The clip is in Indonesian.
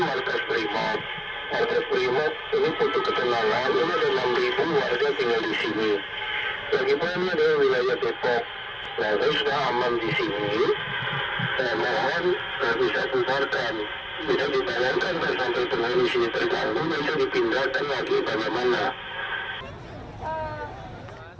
bisa dibubarkan bisa ditemukan di sini terganggu bisa dipindahkan lagi kemana mana